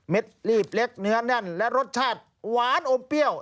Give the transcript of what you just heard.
ลีบเล็กเนื้อแน่นและรสชาติหวานอมเปรี้ยว